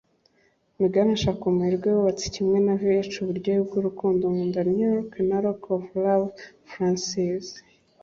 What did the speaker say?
Megan Ashaka Umuherwe wubatswe kimwe na VH uburyohe bwurukundo, Nkunda New York na Rock of Love francises.